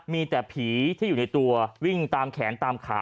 มีแต่ผีที่อยู่ในตัววิ่งตามแขนตามขา